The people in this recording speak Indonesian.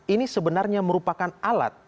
ini sebenarnya merupakan alat